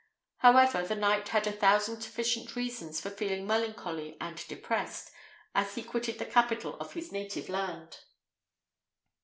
However, the knight had a thousand sufficient reasons for feeling melancholy and depressed, as he quitted the capital of his native land.